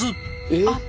えっ！？